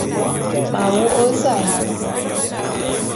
M'a wô'ô zae.